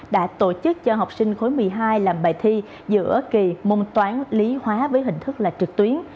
đã tổ chức cho học sinh khối một mươi hai làm bài thi giữa kỳ môn toán lý hóa với hình thức là trực tuyến